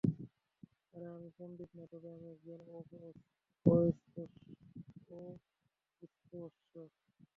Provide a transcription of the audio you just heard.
আরে, আমি পন্ডিত না, তবে আমি একজন অস্পৃশ্য!